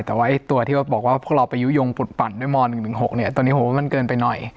แต่ว่าตัวที่บอกว่าพวกเราไปยุโยงปุดปั่นด้วยม๑๑๖เนี่ยตอนนี้ผมว่ามันเกินไปหน่อย